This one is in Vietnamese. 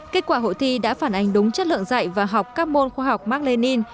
kết quả hội thi đã phản ánh đúng chất lượng dạy và học các môn khoa học mark lenin